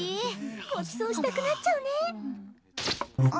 ごちそうしたくなっちゃうね。